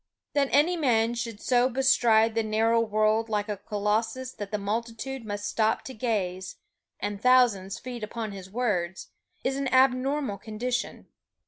That any man should so bestride the narrow world like a colossus that the multitude must stop to gaze, and thousands feed upon his words, is an abnormal condition.